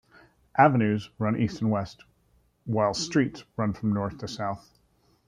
"Avenues" run east-west, while "Streets" run from north to south.